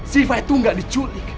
sifah itu gak diculik